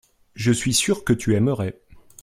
je suis sûr que tu aimerais.